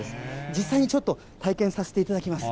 実際にちょっと体験させていただきます。